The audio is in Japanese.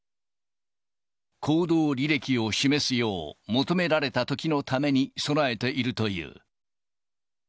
行動履歴を示すよう求められたときのために備えているという。